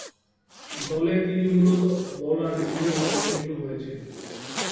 দলে তিনি মূলতঃ বোলার হিসেবে অবতীর্ণ হয়েছেন।